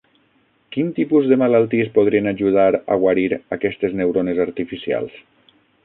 Quin tipus de malalties podrien ajudar a guarir aquestes neurones artificials?